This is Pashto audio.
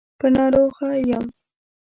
په ناروغه يم.